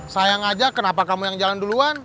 sayang aja kenapa kamu yang jalan duluan